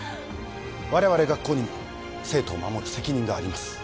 我々学校にも生徒を守る責任があります